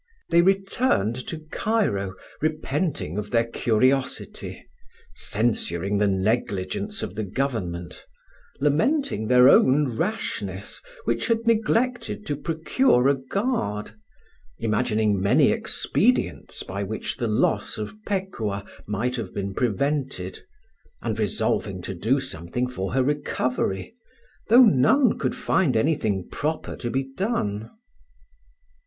They returned to Cairo, repenting of their curiosity, censuring the negligence of the government, lamenting their own rashness, which had neglected to procure a guard, imagining many expedients by which the loss of Pekuah might have been prevented, and resolving to do something for her recovery, though none could find anything proper to be done.